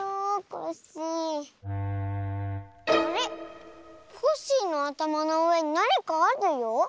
コッシーのあたまのうえになにかあるよ。